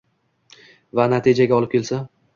va natijaga olib kelsa